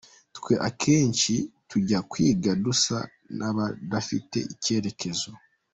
Twe akenshi tujya kwiga dusa n’abadafite icyerekezo.